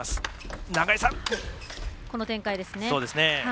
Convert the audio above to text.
この展開ですね。